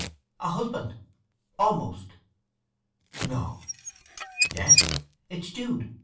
"A husband—almost." "No!" "Yes. It's Jude.